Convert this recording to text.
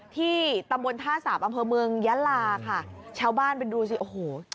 ที่ตำบลท่าสาปอำเภอเมืองยะลาค่ะชาวบ้านไปดูสิโอ้โห